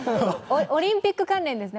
オリンピック関連ですね。